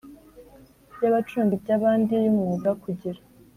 Y abacunga iby abandi y umwuga kugira